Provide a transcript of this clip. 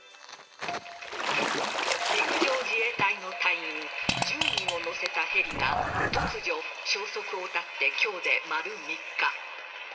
陸上自衛隊の隊員１０人を乗せたヘリが突如、消息を絶って今日で丸３日。